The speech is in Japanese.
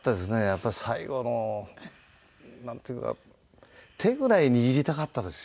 やっぱり最後のなんていうか手ぐらい握りたかったですよ。